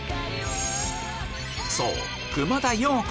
そう！